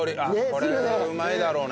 これうまいだろうね。